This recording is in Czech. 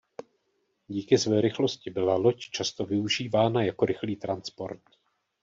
Díky své rychlosti byla loď často využívána jako rychlý transport.